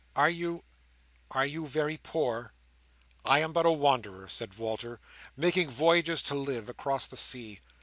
Are you—are you very poor?" "I am but a wanderer," said Walter, "making voyages to live, across the sea.